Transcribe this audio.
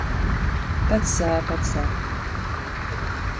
Pas de ça, pas de ça.